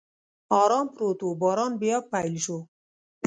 ارام پروت و، باران بیا پیل شو.